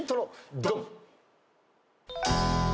ドン！